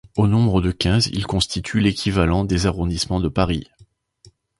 Au nombre de quinze, ils constituent l'équivalent des arrondissements de Paris.